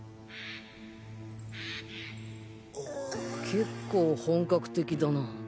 結構本格的だな。